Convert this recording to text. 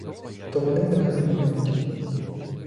То вони нехай мають.